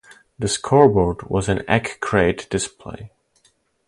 The scoreboard was an eggcrate display.